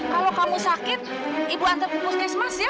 kalau kamu sakit ibu antar bukus desmas ya